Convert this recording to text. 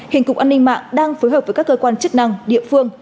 hiện cục an ninh mạng đang phối hợp với các cơ quan chức năng địa phương